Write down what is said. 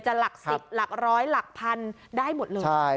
หลัก๑๐หลักร้อยหลักพันได้หมดเลย